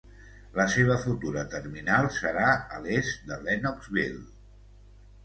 La seva futura terminal serà a l'est de Lennoxville.